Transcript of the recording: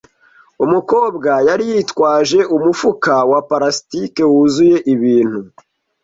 Umukobwa yari yitwaje umufuka wa plastiki wuzuye ibintu.